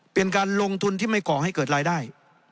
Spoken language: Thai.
เป็นการลงทุนที่ไม่ก่อให้เกิดรายได้